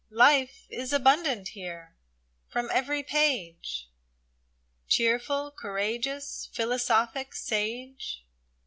Life is abundant here : from every page — Cheerful, courageous, philosophic, sage.